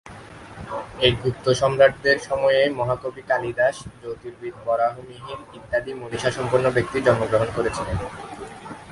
এই গুপ্ত সম্রাটদের সময়েই মহাকবি কালিদাস, জ্যোতির্বিদ বরাহ মিহির ইত্যাদি মনীষা সম্পন্ন ব্যক্তি জন্মগ্রহণ করেছিলেন।